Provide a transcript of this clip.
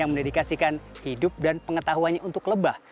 yang mendedikasikan hidup dan pengetahuannya untuk lebah